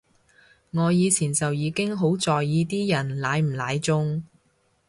我以前就已經好在意啲人奶唔奶中